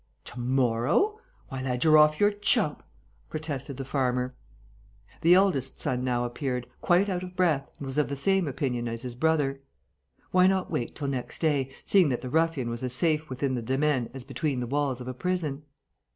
"To morrow! Why, lad, you're off your chump!" protested the farmer. The eldest son now appeared, quite out of breath, and was of the same opinion as his brother. Why not wait till next day, seeing that the ruffian was as safe within the demesne as between the walls of a prison?